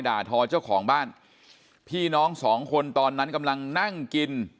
ด่าทอเจ้าของบ้านพี่น้องสองคนตอนนั้นกำลังนั่งกิน